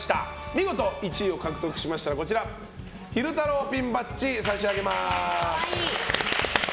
見事１位を獲得されましたら昼太郎ピンバッジを差し上げます。